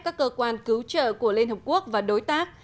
các cơ quan cứu trợ của liên hợp quốc và đối tác